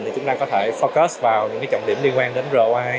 thì chúng ta có thể forcast vào những trọng điểm liên quan đến roi